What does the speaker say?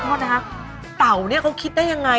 เพราะว่าต่าวเนี่ยเขาคิดได้ยังไง